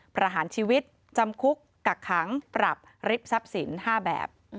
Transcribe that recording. ประหารชีวิตจำคุกกักขังปรับริบทรัพย์สิน๕แบบ